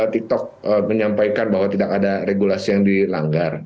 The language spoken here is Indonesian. tiktok menyampaikan bahwa tidak ada regulasi yang dilanggar